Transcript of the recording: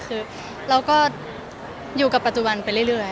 คือเราก็อยู่กับปัจจุบันไปเรื่อย